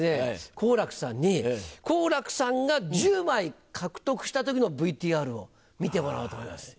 好楽さんに好楽さんが１０枚獲得した時のＶＴＲを見てもらおうと思います。